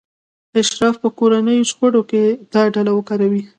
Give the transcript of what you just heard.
اشراف به کورنیو شخړو کې دا ډله وکاروي.